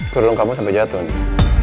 kru dung kamu sampai jatuh nih